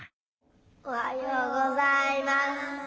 おはようございます。